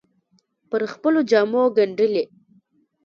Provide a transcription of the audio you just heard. پر خپلو جامو ګنډلې